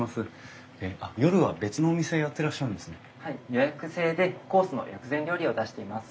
予約制でコースの薬膳料理を出しています。